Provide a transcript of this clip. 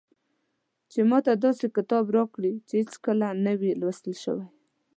چې ماته داسې کتاب راکړي چې هېڅکله نه وي لوستل شوی.